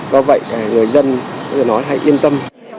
do vậy người dân hãy yên tâm